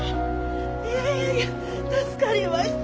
いやいや助かりました！